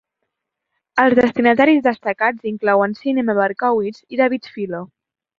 Els destinataris destacats inclouen Sean M. Berkowitz i David Filo.